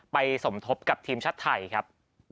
สมทบกับทีมชาติไทยครับ